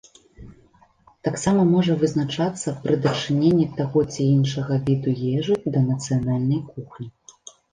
Таксама можа вызначацца пры дачыненні таго ці іншага віду ежы да нацыянальнай кухні.